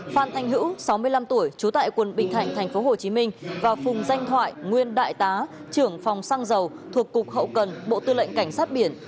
phan thanh hữu sáu mươi năm tuổi trú tại quận bình thạnh tp hcm và phùng danh thoại nguyên đại tá trưởng phòng xăng dầu thuộc cục hậu cần bộ tư lệnh cảnh sát biển